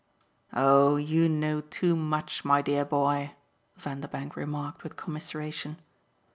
"Oh you know too much, my dear boy!" Vanderbank remarked with commiseration.